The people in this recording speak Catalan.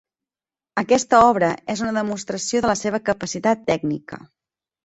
Aquesta obra és una demostració de la seva capacitat tècnica.